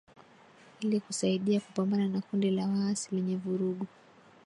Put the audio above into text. Ili kusaidia kupambana na kundi la waasi lenye vurugu.